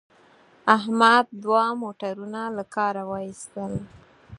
احمد دوه موټرونه له کاره و ایستل.